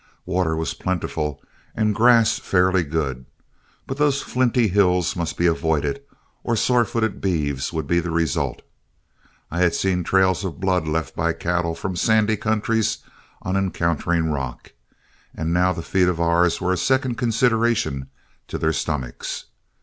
Water was plentiful and grass fairly good, but those flinty hills must be avoided or sorefooted beeves would be the result. I had seen trails of blood left by cattle from sandy countries on encountering rock, and now the feet of ours were a second consideration to their stomachs.